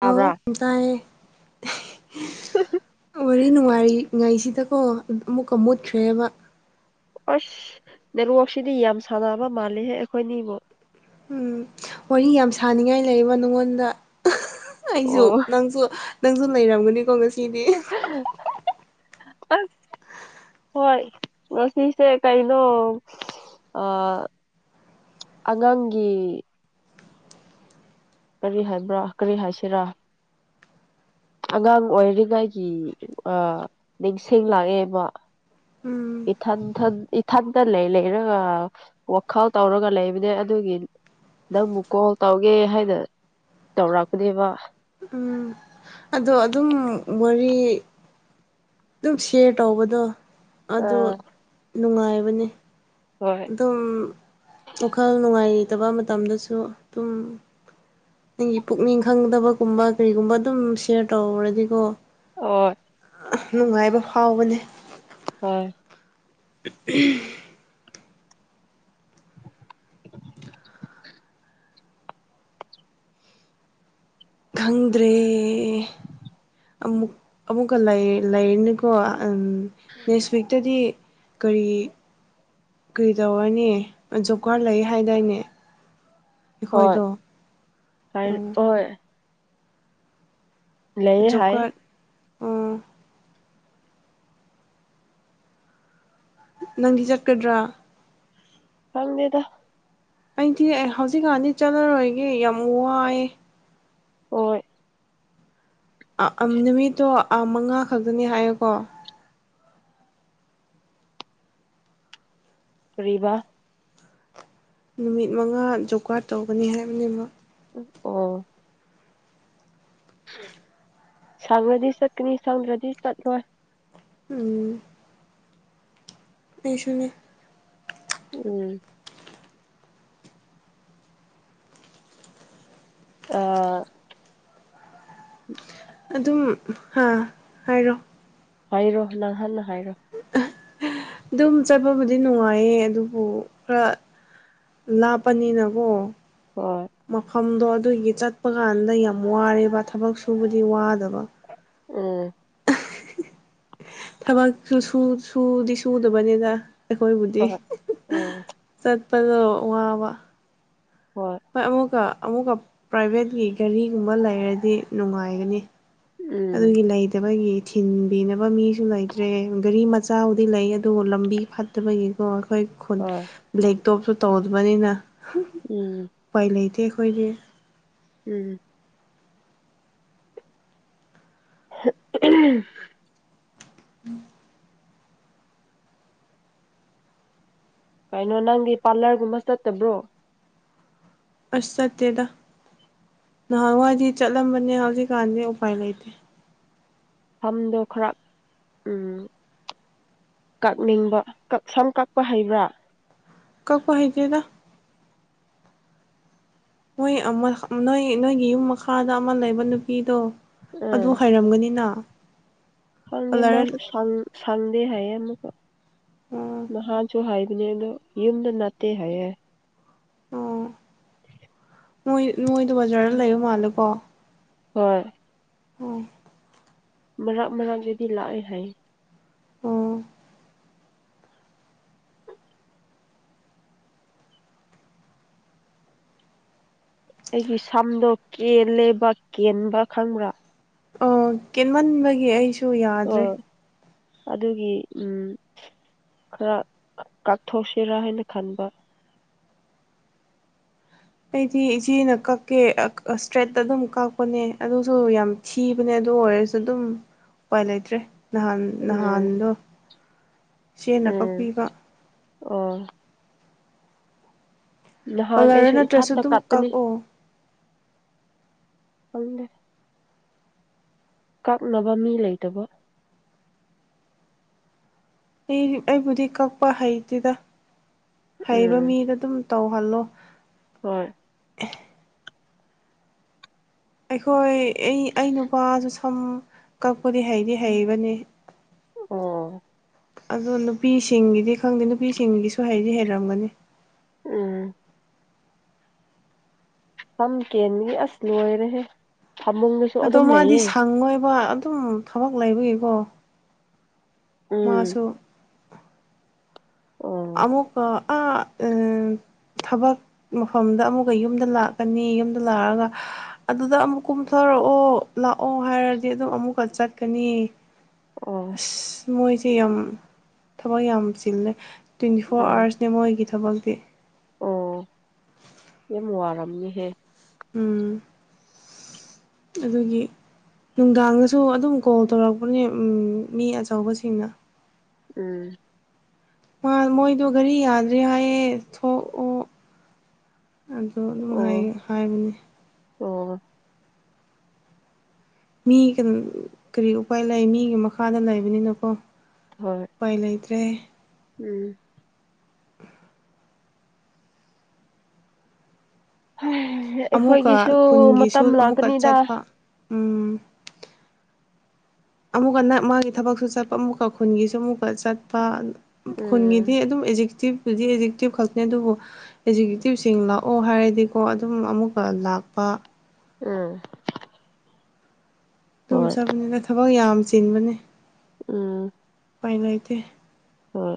ꯇꯥꯕ꯭ꯔꯥ ꯋꯥꯔꯤ ꯅꯨꯡꯉꯥꯏꯔꯤꯉꯩꯁꯤꯗꯀꯣ ꯑꯃꯨꯛꯀ ꯃꯨꯠꯈ꯭ꯔꯦꯕ ꯑꯁ ꯅꯦꯠꯋꯥꯛꯁꯤꯗꯤ ꯌꯥꯝ ꯁꯥꯟꯅꯕ ꯃꯥꯜꯂꯤꯍꯦ ꯑꯩꯈꯣꯏꯅꯤꯕꯨ ꯎꯝ ꯋꯥꯔꯤ ꯌꯥꯝ ꯁꯥꯅꯤꯡꯉꯥꯏ ꯂꯩꯕꯔꯣ ꯅꯉꯣꯟꯗ ꯑꯩꯁꯨ ꯑꯣ ꯅꯪꯁꯨ ꯅꯪꯁꯨ ꯂꯩꯔꯝꯒꯅꯤꯀꯣ ꯉꯁꯤꯗꯤ ꯑ ꯍꯣꯏ ꯉꯁꯤꯁꯦ ꯀꯩꯅꯣ ꯑ ꯑꯉꯥꯡꯒꯤ ꯀꯔꯤ ꯍꯥꯏꯕ꯭ꯔꯥ ꯀꯔꯤ ꯍꯥꯏꯁꯤꯔꯥ ꯑꯉꯥꯡ ꯑꯣꯏꯔꯤꯉꯥꯏꯒꯤ ꯅꯤꯡꯁꯤꯡ ꯂꯥꯛꯑꯦꯕ ꯎꯝ ꯏꯊꯟ ꯊꯟ ꯏꯊꯟꯗ ꯂꯩ ꯂꯩꯔꯒ ꯋꯥꯈꯜ ꯇꯧꯔꯒ ꯂꯩꯕꯅꯦ ꯑꯗꯨꯒꯤ ꯅꯪꯕꯨꯨ ꯀꯣꯜ ꯇꯧꯒꯦ ꯍꯥꯏꯅ ꯇꯧꯔꯛꯄꯅꯦꯕ ꯎꯝ ꯑꯗꯣ ꯑꯗꯨꯝ ꯋꯥꯔꯤ ꯑꯗꯨꯝ ꯁꯤꯌꯔ ꯇꯧꯕꯗꯣ ꯑꯗꯣ ꯑꯥ ꯅꯨꯡꯉꯥꯏꯕꯅꯤ ꯍꯣꯏ ꯑꯗꯨꯝ ꯋꯥꯈꯜ ꯅꯨꯡꯉꯥꯏꯇꯕ ꯃꯇꯝꯗꯁꯨ ꯑꯗꯨꯝ ꯅꯪꯒꯤ ꯄꯨꯛꯅꯤꯡ ꯈꯪꯗꯕꯒꯨꯝꯕ ꯀꯔꯤꯒꯨꯝꯕ ꯑꯗꯨꯝ ꯁꯤꯌꯔ ꯇꯧꯔꯗꯤꯀꯣ ꯑꯣ ꯅꯨꯡꯉꯥꯏꯕ ꯐꯥꯎꯕꯅꯦ ꯍꯣꯏ ꯁꯤ ꯈꯪꯗ꯭ꯔꯦ ꯑꯃꯨꯛ ꯑꯃꯨꯛꯀ ꯂꯩꯥꯏꯔꯅꯤ ꯀꯣ ꯅꯦꯛꯁ ꯋꯤꯛꯇꯨꯗꯤ ꯀꯔꯤꯒꯤ ꯀꯩꯗꯧꯔꯅꯤ ꯖꯣꯕ ꯀꯥꯔꯗ ꯂꯩ ꯍꯥꯏꯗꯥꯏꯅꯦ ꯍꯣꯏ ꯑꯩꯈꯣꯏꯗꯣ ꯍꯥꯏ ꯎꯝ ꯍꯣꯏ ꯂꯩꯌꯦ ꯖꯦꯛ ꯍꯥꯏ ꯀꯔꯠ ꯅꯪꯗꯤ ꯆꯠꯀꯗ꯭ꯔꯥ ꯈꯪꯗꯦꯗ ꯑꯩꯗꯤ ꯑꯩ ꯍꯧꯖꯤꯛꯀꯥꯟꯗꯤ ꯆꯠꯂꯔꯣꯏꯒꯦ ꯌꯥꯝ ꯋꯥꯏ ꯍꯣꯏ ꯅꯨꯃꯤꯠꯇꯣ ꯃꯉꯥ ꯈꯛꯇꯅꯤ ꯍꯥꯏꯌꯀꯣ ꯀꯔꯤꯕꯥ ꯅꯨꯃꯤꯠ ꯃꯉꯥ ꯖꯣꯕ ꯀꯥꯔꯗ ꯇꯧꯒꯅꯤ ꯍꯥꯏꯕꯅꯦꯕ ꯑꯣ ꯁꯥꯡꯔꯗꯤ ꯆꯠꯀꯅꯤ ꯁ꯭ꯗꯔꯗꯤ ꯆꯠꯂꯣꯏ ꯎꯝ ꯑꯩꯁꯨꯅꯦ ꯎꯝ ꯑ ꯑꯗꯨꯝ ꯍꯥ ꯍꯥꯏꯔꯣ ꯍꯥꯏꯔꯣ ꯅꯪꯍꯥꯟꯅ ꯍꯥꯏꯔꯣ ꯑꯗꯨꯝ ꯆꯠꯄꯕꯨꯗꯤ ꯅꯨꯡꯉꯥꯏꯌꯦ ꯑꯗꯨꯕꯨ ꯈꯔ ꯂꯥꯞꯄꯅꯤꯅꯀꯣ ꯍꯣꯏ ꯃꯐꯝꯗꯣ ꯑꯗꯨꯒꯤ ꯆꯠꯄ ꯀꯥꯟꯗ ꯌꯥꯝ ꯋꯥꯔꯦꯕ ꯊꯕꯛ ꯁꯨꯕꯗꯤ ꯋꯥꯗꯕ ꯎꯝ ꯊꯕꯛ ꯁꯨꯨꯁꯨ ꯁꯨꯗꯤ ꯁꯨꯗꯕꯅꯤꯅ ꯑꯩꯈꯣꯏꯕꯨꯗꯤ ꯍꯣꯏ ꯎꯝ ꯆꯠꯄꯗꯣ ꯋꯥꯕ ꯍꯣꯏ ꯍꯣꯏ ꯑꯃꯨꯛꯀ ꯑꯃꯨꯛꯀ ꯄ꯭ꯔꯥꯏꯚꯦꯠꯀꯤ ꯒꯥꯔꯤꯒꯨꯝꯕ ꯂꯩꯔꯗꯤ ꯅꯨꯡꯉꯥꯏꯒꯅꯤ ꯎꯝ ꯑꯗꯨꯒꯤ ꯂꯩꯇꯕꯒꯤ ꯊꯤꯟꯕꯤꯅꯕ ꯃꯤꯁꯨ ꯂꯩꯇ꯭ꯔꯦ ꯒꯥꯔꯤ ꯃꯆꯥꯕꯨꯗꯤ ꯂꯩ ꯑꯗꯨ ꯂꯝꯕꯤ ꯐꯠꯇꯕꯒꯤꯀꯣ ꯑꯩꯈꯣꯏ ꯈꯨꯟ ꯍꯣꯏ ꯕ꯭ꯂꯦꯛꯇꯣꯞꯁꯨ ꯇꯧꯗꯕꯅꯤꯅ ꯎꯝ ꯎꯄꯥꯏ ꯂꯩꯇꯦ ꯑꯩꯈꯣꯏꯗꯤ ꯎꯝ [inaudible] [inaudible] ꯀꯩꯅꯣ ꯅꯪꯗꯤ ꯄꯥꯔꯂꯔꯒꯨꯝꯕ ꯆꯠꯇꯕ꯭ꯔꯣ ꯑꯁ ꯆꯠꯇꯦꯗ ꯅꯍꯥꯟꯋꯥꯏꯗꯤ ꯆꯠꯂꯝꯕꯅꯦ ꯍꯧꯖꯤꯛꯀꯥꯟꯗꯤ ꯎꯄꯥꯏ ꯂꯩꯇꯦ ꯐꯝꯗꯣ ꯈꯔ ꯎꯝ ꯀꯛꯅꯤꯡꯕ ꯀꯛ ꯁꯝ ꯀꯛꯄ ꯍꯩꯕ꯭ꯔꯥ ꯀꯛꯄ ꯍꯩꯇꯦꯗ ꯅꯣꯏ ꯑꯃ ꯅꯣꯏ ꯅꯣꯏꯒꯤ ꯌꯨꯝ ꯃꯈꯥꯗ ꯑꯃ ꯂꯩꯕ ꯅꯨꯄꯤꯗꯣ ꯑꯗꯨ ꯎꯝ ꯍꯩꯔꯝꯒꯅꯤꯅ ꯈꯪꯗꯦ ꯀꯂꯔ ꯃꯥꯁꯨ ꯁꯪ ꯁꯪꯗꯦ ꯍꯥꯏꯌꯦ ꯑꯃꯨꯛꯀ ꯑꯣ ꯅꯍꯥꯟꯁꯨ ꯍꯥꯏꯕꯅꯦ ꯑꯗꯣ ꯌꯨꯝꯗ ꯅꯥꯠꯇꯦ ꯍꯥꯏꯌꯦ ꯅꯣꯏ ꯅꯣꯏꯗꯨ ꯕꯖꯥꯔꯗ ꯂꯩꯕ ꯃꯥꯜꯂꯦꯀꯣ ꯍꯣꯏ ꯍꯣꯏ ꯃꯔꯥꯛ ꯃꯔꯥꯛꯗꯨꯗꯤ ꯂꯥꯛꯑꯦ ꯍꯥꯏꯌꯦ ꯑꯣ ꯑꯩꯒꯤ ꯁꯝꯗꯣ ꯀꯦꯜꯂꯦꯕ ꯀꯦꯟꯕ ꯈꯪꯕ꯭ꯔꯥ ꯑꯣ ꯀꯦꯟꯃꯟꯕꯒꯤ ꯑꯩꯁꯨ ꯌꯥꯗ꯭ꯔꯦ ꯑꯣ ꯑꯗꯨꯒꯤ ꯎꯝ ꯈꯔ ꯀꯥꯠꯊꯣꯛꯁꯤꯔꯥ ꯍꯥꯏꯅ ꯈꯟꯕ ꯑꯩꯗꯤ ꯏꯆꯦꯅ ꯀꯛꯀꯦ ꯑꯥ ꯏꯁꯇ꯭ꯔꯦꯠꯇ ꯑꯗꯨꯝ ꯀꯛꯄꯅꯦ ꯑꯗꯨꯁꯨ ꯌꯥꯝ ꯊꯤꯕꯅꯦ ꯑꯗꯨ ꯑꯣꯏꯔꯁꯨ ꯑꯗꯨꯝ ꯎꯄꯥꯏ ꯂꯩꯇ꯭ꯔꯦ ꯅꯍꯥꯟ ꯎꯝ ꯅꯍꯥꯟꯗꯣ ꯏꯆꯦꯅ ꯎꯝ ꯀꯛꯄꯤꯕ ꯑꯣ ꯅꯍꯥꯟ ꯀꯂꯔ ꯑꯩꯁꯨ ꯅꯠꯇ꯭ꯔꯁꯨ ꯏꯊꯥꯇ ꯑꯗꯨꯝ ꯀꯥꯞꯄꯅꯤ ꯀꯛꯑꯣ ꯈꯪꯗꯦ ꯀꯛꯅꯕ ꯃꯤ ꯂꯩꯇꯕ ꯑꯩ ꯑꯩꯕꯨꯗꯤ ꯀꯛꯄ ꯍꯩꯇꯦꯗ ꯍꯩꯕ ꯎꯝ ꯃꯤꯗ ꯑꯗꯨꯝ ꯇꯧꯍꯜꯂꯣ ꯍꯣꯏ ꯑꯩꯈꯣꯏ ꯑꯩ ꯑꯩ ꯅꯨꯄꯥꯁꯨ ꯁꯝ ꯀꯛꯄꯗꯤ ꯍꯩꯗꯤ ꯍꯩꯕꯅꯦ ꯑꯣ ꯑꯗꯣ ꯅꯨꯄꯤꯁꯤꯡꯒꯤꯗꯤ ꯈꯪꯗꯦ ꯅꯨꯄꯤꯁꯤꯡꯒꯤꯁꯨ ꯍꯩꯗꯤ ꯍꯩꯔꯝꯒꯅꯤ ꯎꯝ ꯁꯝ ꯀꯦꯟꯕꯗꯤ ꯑꯁ ꯂꯣꯏꯔꯦꯍꯦ ꯐꯃꯨꯡ ꯑꯗꯣ ꯃꯥꯗꯤ ꯁꯪꯉꯣꯏꯕ ꯑꯗꯨꯝ ꯊꯕꯛ ꯂꯩꯕꯒꯤꯀꯣ ꯎꯝ ꯃꯥꯁꯨ ꯑꯣ ꯑꯃꯨꯛꯀ ꯑꯥ ꯎꯝ ꯊꯕꯛ ꯃꯐꯝꯗ ꯑꯃꯨꯛꯀ ꯌꯨꯝꯗ ꯂꯥꯛꯀꯅꯤ ꯌꯨꯝꯗ ꯂꯥꯛꯑꯒ ꯑꯗꯨꯗ ꯑꯃꯨꯛ ꯀꯨꯝꯊꯔꯛꯑꯣ ꯂꯥꯛꯑꯣ ꯍꯥꯏꯔꯗꯤ ꯑꯗꯨꯝ ꯑꯃꯨꯛꯀ ꯆꯠꯀꯅꯤ ꯑꯣ [unintelligible] ꯃꯣꯏꯁꯦ ꯌꯥꯝ ꯊꯕꯛ ꯌꯥꯝ ꯆꯤꯜꯂꯦ ꯇ꯭ꯋꯦꯟꯇꯤ ꯐꯣꯔ ꯎꯝ ꯑꯥꯋꯔꯁ ꯅꯦ ꯃꯣꯏꯒꯤ ꯊꯕꯛꯇꯤ ꯑꯣ ꯌꯥꯝ ꯋꯥꯔꯝꯅꯤꯍꯦ ꯎꯝ ꯑꯗꯨꯒꯤ ꯅꯨꯡꯗꯥꯡꯗꯁꯨ ꯑꯗꯨꯝ ꯀꯣꯜ ꯇꯧꯔꯛꯄꯅꯦ ꯎꯝ ꯃꯤ ꯑꯆꯧꯕꯁꯤꯡꯅ ꯎꯝ ꯃꯥ ꯃꯣꯏꯗꯣ ꯘꯔꯤ ꯌꯥꯗ꯭ꯔꯦ ꯍꯥꯏꯌꯦ ꯊꯣꯛꯑꯣ ꯑꯗꯣ ꯑꯣ ꯅꯨꯡꯉꯥꯏ ꯍꯥꯏꯕꯅꯦ ꯑꯣ ꯃꯤ ꯀꯟ ꯀꯔꯤ ꯎꯄꯥꯏ ꯂꯩ ꯃꯤꯒꯤ ꯃꯈꯥꯗ ꯂꯩꯕꯅꯤꯅꯀꯣ ꯍꯣꯏ ꯄꯥꯏ ꯂꯩꯇ꯭ꯔꯦ ꯎꯝ [unintelligible] ꯍ ꯑꯃꯨꯛꯀ ꯑꯩꯈꯣꯏꯒꯤꯁꯨ ꯈꯨꯟꯒꯤꯁꯨ ꯃꯇꯝ ꯑꯃꯨꯛꯀ ꯂꯥꯛꯀꯅꯤꯗ ꯆꯠꯄ ꯎꯝ ꯑꯃꯨꯛꯀꯅ ꯃꯥꯒꯤ ꯊꯕꯛꯁꯨ ꯆꯠꯄ ꯑꯃꯨꯛꯀ ꯈꯨꯟꯒꯤꯁꯨ ꯃꯨꯛꯀ ꯆꯠꯄ ꯎꯝ ꯈꯨꯟꯒꯤꯗꯤ ꯑꯗꯨꯝ ꯑꯦꯖꯦꯛꯇꯤꯞꯗꯤ ꯑꯦꯖꯦꯛꯇꯤꯞ ꯈꯛꯅꯦ ꯑꯗꯨꯕꯨ ꯑꯦꯖꯤꯀ꯭ꯌꯨꯇꯤꯞꯁꯤꯡ ꯂꯥꯛꯑꯣ ꯍꯥꯏꯔꯗꯤꯀꯣ ꯑꯗꯨꯝ ꯑꯃꯨꯛꯀ ꯂꯥꯛꯄ ꯎꯝ ꯇꯨꯝ ꯍꯣꯏ ꯆꯄꯅꯤꯅ ꯊꯕꯛ ꯌꯥꯝ ꯆꯤꯟꯕꯅꯦ ꯎꯝ ꯄꯥꯏ ꯂꯩꯇꯦ ꯍꯣꯏ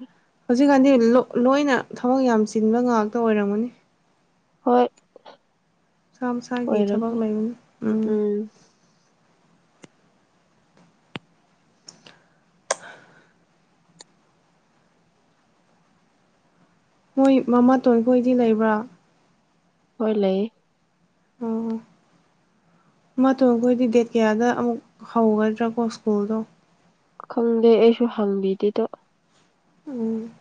ꯍꯧꯖꯤꯛꯀꯥꯟꯗꯤ ꯂꫭ ꯂꯣꯏꯅ ꯊꯕꯛ ꯌꯥꯝ ꯆꯤꯟꯕ ꯉꯥꯛꯇ ꯑꯣꯏꯔꯝꯒꯅꯤ ꯍꯣꯏ ꯃꯁꯥ ꯃꯁꯥꯒꯤ ꯊꯕꯛ ꯑꯣꯏꯔꯝꯅꯤ ꯂꯩꯕꯅꯦ ꯎꯝ ꯃꯣꯏ ꯃꯃꯥ ꯇꯣꯟ ꯈꯣꯏꯗꯤ ꯂꯩꯕ꯭ꯔꯥ ꯍꯣꯏ ꯂꯩ [inaudible] ꯃꯥꯇꫭꯟꯈꯣꯏꯗꯤ ꯗꯦꯠ ꯀꯌꯥꯗ ꯑꯃꯨꯛ ꯍꯧꯒꯗ꯭ꯔꯀꯣ ꯁ꯭ꯀꯨꯜꯗꯣ ꯈꯪꯗꯦ ꯑꯩꯁꯨ ꯍꯪꯕꯤꯗꯦꯗꯣ ꯎꯝ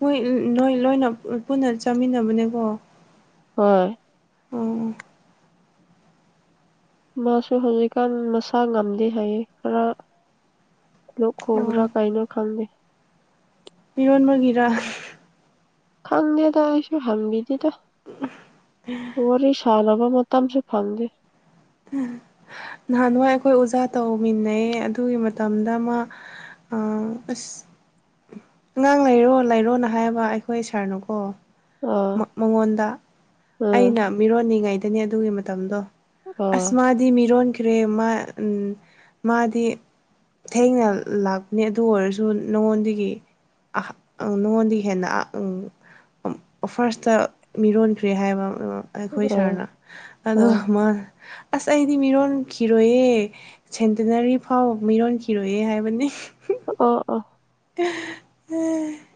ꯃꯣꯏ ꯑ ꯅꯣꯏ ꯂꯣꯏꯅ ꯑ ꯄꯨꯟꯅ ꯆꯥꯃꯤꯟꯅꯕꯅꯦꯀꯣ ꯍꯣꯏ ꯑꯣ ꯃꯥꯁꯨ ꯍꯧꯖꯤꯛꯀꯥꯟ ꯃꯁꯥ ꯉꯝꯗꯦ ꯍꯥꯏꯌꯦ ꯈꯔ ꯂꯣꯛ ꯈꯨꯕ꯭ꯔꯥ ꯑꯣ ꯀꯩꯅꯣ ꯈꯪꯗꯦ ꯃꯤꯔꯣꯟꯕꯒꯤꯔꯥ ꯈꯪꯗꯦꯗ ꯑꯩꯁꯨ ꯍꯪꯕꯤꯗꯦꯗ ꯋꯥꯔꯤ ꯁꯥꯟꯅꯕ ꯃꯇꯝꯁꯨ ꯐꯪꯗꯦ ꯅꯍꯥꯟꯋꯥꯏ ꯑꯩꯈꯣꯏ ꯑꯣꯖꯥ ꯇꯧꯃꯤꯟꯅꯩꯌꯦ ꯑꯗꯨꯒꯤ ꯃꯇꯝꯗ ꯃꯥ ꯑ ꯑꯁ ꯑꯉꯥꯡ ꯂꯩꯔꯣ ꯂꯩꯔꯣꯅ ꯍꯥꯏꯕ ꯑꯩꯈꯣꯏ ꯁꯥꯔꯅꯀꯣ ꯑꯥ ꯃ ꯃꯉꯣꯟꯗ ꯎꯝ ꯑꯩꯅ ꯃꯤꯔꯣꯟꯅꯤꯉꯩꯗꯅꯦ ꯑꯗꯨꯒꯤ ꯃꯇꯝꯗꯣ ꯑꯥ ꯑꯁ ꯃꯥꯗꯤ ꯃꯤꯔꯣꯟꯈ꯭ꯔꯦ ꯃꯥ ꯎꯝ ꯃꯥꯗꯤ ꯊꯦꯡꯅ ꯂꯥꯛꯄꯅꯦ ꯑꯗꯨ ꯑꯣꯏꯔꯁꯨ ꯅꯉꯣꯟꯗꯒꯤ ꯑꯍꯥ ꯑ ꯅꯉꯣꯟꯗꯤ ꯍꯦꯟꯅ ꯑꯥ ꯎꯝ ꯐꯥꯔꯁꯇ ꯃꯤꯔꯣꯟꯈ꯭ꯔꯦ ꯍꯥꯏꯕ ꯑꯩꯈꯣꯏ ꯑꯥ ꯁꯥꯔꯅ ꯑꯥ ꯑꯗꯣꯒ ꯃꯥꯅ ꯑꯁ ꯑꯩꯗꯤ ꯃꯤꯔꯣꯟꯈꯤꯔꯣꯏꯌꯦ ꯁꯦꯟꯇꯅꯔꯤ ꯐꯥꯎ ꯃꯤꯔꯣꯟꯈꯤꯔꯣꯏꯌꯦ ꯍꯥꯏꯕꯅꯤ ꯑꯣ ꯑꯣ [unintelligible]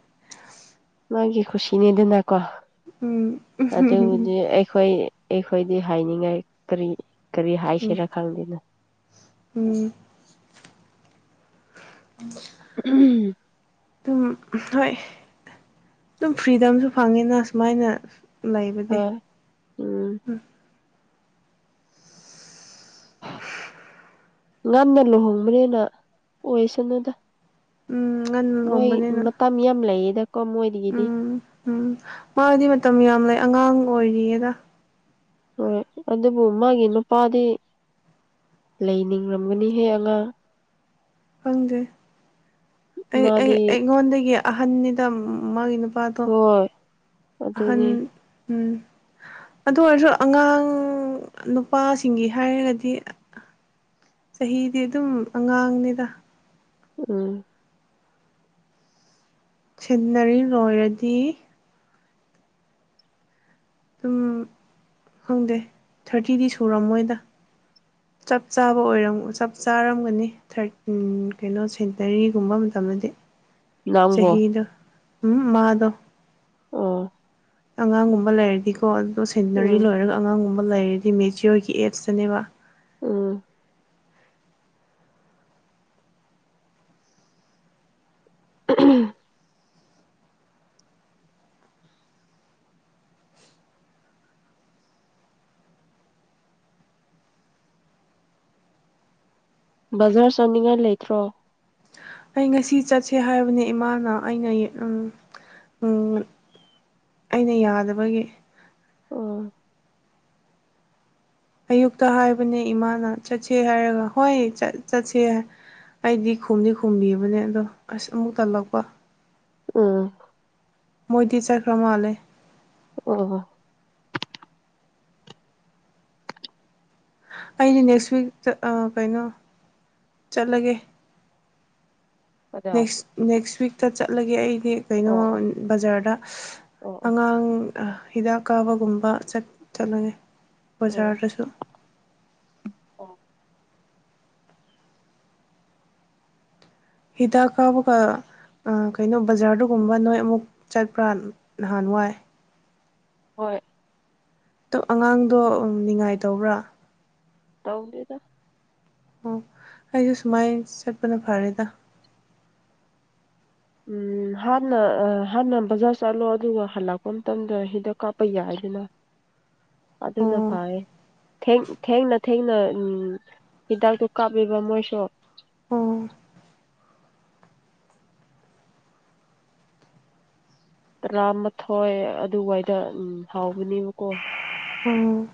ꯃꯥꯒꯤ ꯈꯨꯁꯤꯅꯦꯗꯅꯀꯣ ꯎꯝ ꯑꯗꯨꯕꯨꯗꯤ ꯑꯩꯈꯣꯏ ꯑꯩꯈꯣꯏꯗꯤ ꯍꯥꯏꯅꯤꯡꯉꯥꯏ ꯀꯔꯤ ꯀꯔꯤ ꯍꯥꯏꯁꯤꯔꯥ ꯈꯪꯗꯦꯅꯦ ꯎꯝ [inaudible] ꯎꯝ ꯑꯗꯨꯝ ꯍꯣꯏ ꯑꯗꯨꯝ ꯐ꯭ꯔꯤꯗꯝꯁꯨ ꯐꯪꯉꯤꯅ ꯁꯨꯃꯥꯏꯅ ꯂꯩꯕꯗꯤ ꯍꯣꯏ ꯎꯝ ꯎꯝ ꯉꯟꯅ ꯂꯨꯍꯣꯡꯕꯅꯤꯅ ꯑꯣꯏꯁꯅꯨꯗ ꯎꯝ ꯉꯟꯅ ꯃꯣꯏ ꯂꯨꯍꯣꯡꯕꯅꯤꯅ ꯃꯇꯝ ꯌꯥꯝ ꯂꯩꯌꯦꯗꯀꯣ ꯃꯣꯏꯗꯒꯤꯗꯤ ꯎꯝ ꯎꯝ ꯃꯥꯗꯤ ꯃꯇꯝ ꯌꯥꯝ ꯂꯩ ꯑꯉꯥꯡ ꯑꯣꯏꯔꯤꯌꯦꯗ ꯍꯣꯏ ꯑꯗꯨꯕꯨ ꯃꯥꯒꯤ ꯅꯨꯄꯥꯗꯤ ꯂꯩꯅꯤꯡꯔꯝꯒꯅꯤꯍꯦ ꯑꯉꯥꯡ ꯈꯪꯗꯦ ꯑꯩ ꯑꯩ ꯃꯥꯗꯤ ꯑꯩꯉꯣꯟꯗꯒꯤ ꯑꯍꯟꯅꯤꯗ ꯃꯥꯒꯤ ꯅꯨ ꯍꯣꯏ ꯑꯍꯟ ꯑꯗꯨꯅꯤ ꯎꯝ ꯑꯗꯨ ꯑꯣꯏꯔꯁꯨ ꯑꯉꯥꯡ ꯅꯨꯄꯥꯁꯤꯡꯒꯤ ꯍꯥꯏꯔꯒꯗꯤ ꯆꯍꯤꯗꯤ ꯑꯗꯨꯝ ꯑꯉꯥꯡꯅꯤꯗ ꯎꯝ ꯁꯤꯟꯅꯔꯤ ꯂꯣꯏꯔꯗꯤ ꯑꯗꯨꯝ ꯈꯪꯗꯦ ꯊꯥꯔꯇꯤꯗꯤ ꯁꯨꯔꯝꯃꯣꯏꯗ ꯆꯞ ꯆꯥꯕ ꯑꯣꯏꯔꯝ ꯆꯞ ꯆꯥꯔꯝꯒꯅꯤ ꯊꯥꯔꯠ ꯎꯝ ꯀꯩꯅꯣ ꯁꯦꯟꯇꯔꯤꯒꯨꯝꯕ ꯃꯇꯝꯗꯗꯤ ꯅꯪꯕꯣ ꯆꯍꯤꯗꯣ ꯎꯝ ꯃꯥꯗꯣ ꯑꯣ ꯑꯉꯥꯡꯒꯨꯝꯕ ꯂꯩꯔꯗꯤꯀꯣ ꯑꯗꯣ ꯁꯦꯟꯅꯔꯤ ꯎꯝ ꯂꯣꯏꯔꯒ ꯑꯉꯥꯡꯒꯨꯝꯕ ꯂꯩꯔꯗꯤ ꯃꯦꯆꯤꯌꯣꯔꯒꯤ ꯑꯦꯠꯁꯇꯅꯦꯕ ꯎꯝ [unintelligible] ꯕꯖꯥꯔ ꯆꯠꯅꯤꯡꯉꯥꯏ ꯂꯩꯇ꯭ꯔꯣ ꯑꯩ ꯉꯁꯤ ꯆꯠꯁꯦ ꯍꯥꯏꯕꯅꯦ ꯏꯃꯥꯅ ꯑꯩꯅ ꯎꯝ ꯎꯝ ꯑꯩꯅ ꯌꯥꯗꯕꯒꯤ ꯑꯣ ꯑꯌꯨꯛꯇ ꯍꯥꯏꯕꯅꯦ ꯏꯃꯥꯅ ꯆꯠꯁꯦ ꯍꯥꯏꯔꯒ ꯍꯣꯏ ꯆꯠ ꯆꯠꯁꯦ ꯑꯩꯗꯤ ꯈꯨꯝꯗꯤ ꯈꯨꯝꯕꯤꯕꯅꯦ ꯑꯗꯣ ꯑꯁ ꯑꯃꯨꯛ ꯇꯜꯂꯛꯄ ꯎꯝ ꯃꯣꯏꯗꯤ ꯆꯠꯈ꯭ꯔ ꯃꯥꯜꯂꯦ ꯑꯣ ꯍꯣ ꯑꯩꯗꯤ ꯅꯦꯛꯁ ꯋꯤꯛ ꯆꯠ ꯑ ꯀꯩꯅꯣ ꯆꯠꯂꯒꯦ ꯑꯣ ꯅꯦꯛꯁ ꯅꯦꯛꯁ ꯋꯤꯛꯇ ꯆꯠꯂꯒꯦ ꯑꯩ ꯗꯤ ꯀꯩꯅꯣꯟ ꯑꯣ ꯕꯖꯥꯔꯗ ꯑꯣ ꯑꯉꯥꯡ ꯑ ꯍꯤꯗꯥꯛ ꯀꯥꯞꯕꯒꯨꯝꯕ ꯆꯠ ꯆꯠꯂꯅꯤ ꯑꯣ ꯕꯖꯥꯔꯗꯁꯨ ꯑꯣ ꯍꯤꯗꯥꯛ ꯀꯥꯞꯄꯒ ꯑ ꯀꯩꯅꯣ ꯕꯖꯥꯔꯗꯨꯒꯨꯝꯕ ꯅꯣꯏ ꯑꯃꯨꯛ ꯆꯠꯄ꯭ꯔꯥ ꯅꯍꯥꯟ ꯋꯥꯏ ꯍꯣꯏ ꯇꯣ ꯑꯉꯥꯡꯗꯣ ꯅꯤꯡꯉꯥꯏ ꯇꯧꯕ꯭ꯔꯥ ꯇꯧꯗꯦꯗ ꯑꯣ ꯑꯩꯖꯨ ꯁꯨꯃꯥꯏꯟ ꯆꯠꯄꯅ ꯐꯔꯦꯗ ꯎꯝ ꯍꯥꯟꯅ ꯑ ꯍꯥꯟꯅ ꯕꯖꯥꯔ ꯆꯠꯂꯣ ꯑꯗꯨꯒ ꯍꯜꯂꯛꯄ ꯃꯇꯝꯗ ꯍꯤꯗꯥꯛ ꯀꯥꯞꯄ ꯌꯥꯏꯗꯅ ꯑꯗꯨꯅ ꯑꯣ ꯐꯔꯦ ꯊꯦꯡ ꯊꯦꯡꯅ ꯊꯦꯡꯅ ꯎꯝ ꯍꯤꯗꯥꯛꯇꯨ ꯀꯥꯞꯂꯤꯕ ꯃꯣꯏꯁꯨ ꯑꯣ ꯇꯔꯥꯃꯥꯊꯣꯏ ꯑꯗꯨꯋꯥꯏꯗ ꯎꯝ ꯍꯥꯎꯕꯅꯦꯕꯀꯣ ꯎꯝ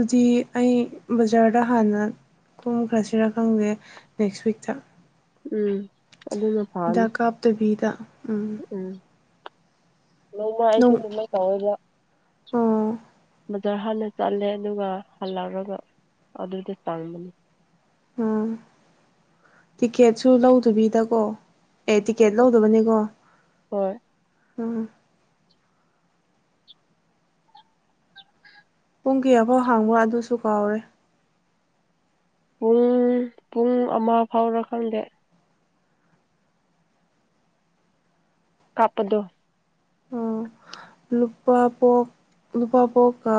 ꯑꯗꯨꯗꯤ ꯑꯩ ꯕꯖꯥꯔꯗ ꯍꯥꯟꯅ ꯀꯨꯝꯈꯔꯁꯤꯔ ꯈꯪꯗꯦ ꯅꯦꯛꯁ ꯋꯤꯛꯇ ꯎꯝ ꯑꯗꯨꯅ ꯐꯅꯤ ꯍꯤꯗꯥꯛ ꯀꯥꯞꯇꯕꯤꯗ ꯎꯝ ꯎꯝ ꯅꯣꯡꯃꯥ ꯑꯩꯁꯨ ꯅꯣꯡ ꯑꯗꯨꯃꯥꯏ ꯇꯧꯋꯦꯕ ꯑꯣ ꯕꯖꯥꯔ ꯍꯥꯟꯅ ꯆꯠꯂꯦ ꯑꯗꯨꯒ ꯍꯜꯂꯛꯔꯒ ꯑꯗꯨꯗ ꯆꯪꯕꯅꯤ ꯇꯤꯛꯀꯦꯠꯁꯨ ꯂꯧꯗꯕꯤꯗꯀꯣ ꯑꯦ ꯇꯤꯛꯀꯦꯠ ꯂꯧꯗꯕꯅꯤꯀꯣ ꯍꯣꯏ ꯎꯝ ꯄꯨꯡ ꯀꯌꯥꯐꯥꯎ ꯍꯥꯡꯕꯥ ꯑꯗꯨꯁꯨ ꯀꯥꯎꯔꯦ ꯄꯨꯡ ꯄꯨꯡ ꯑꯃ ꯐꯥꯎꯔꯥ ꯈꯪꯗꯦ ꯀꯥꯞꯄꯗꯣ ꯂꯨꯄꯥ ꯄꯣꯛ ꯂꯨꯄꯥ ꯄꯣꯛꯀ